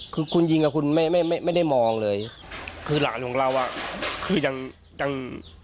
คือคุณยิงอ่ะคุณไม่ไม่ไม่ได้มองเลยคือหลานของเราอ่ะคือยังยัง